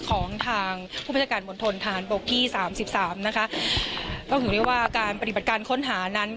ของทางผู้บัญชาการมณฑนทหารบกที่สามสิบสามนะคะก็ถือได้ว่าการปฏิบัติการค้นหานั้น